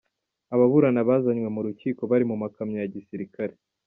Ababurana bazanywe mu rukiko bari mu makamyo ya gisirikare.